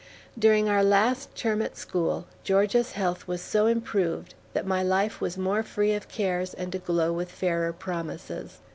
During our last term at school, Georgia's health was so improved that my life was more free of cares and aglow with fairer promises.